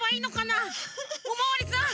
おまわりさん？